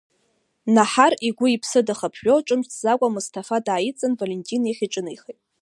Наҳар игәы-иԥсы дахаԥжәо, ҿымҭӡакәа Мысҭафа дааидҵын, Валентин иахь иҿынеихеит.